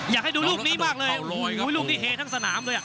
อยากให้ดูรูปนี้มากเลยหูยรูปนี้เหทั่งสนามด้วย